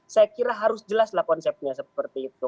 saya kira harus jelas lah konsepnya seperti itu